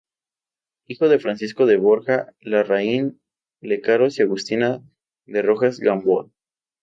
Hijo de Francisco de Borja Larraín Lecaros y Agustina de Rojas Gamboa.